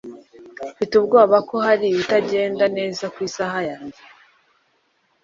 Mfite ubwoba ko hari ikitagenda neza ku isaha yanjye